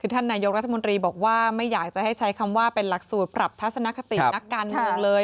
ท่านนายกรัฐมนตรีบอกว่าไม่อยากจะให้ใช้คำว่าเป็นหลักสูตรปรับทัศนคตินักการเมืองเลย